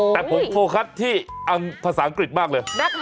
แต่ผมโฟกัสที่ภาษาอังกฤษมากเลย